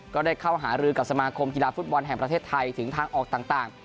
ก็ได้เข้าหารือกับสมาคมกีฬาฟุตบอลแห่งประเทศไทยถึงทางออกต่าง